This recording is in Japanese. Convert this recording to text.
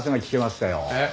えっ？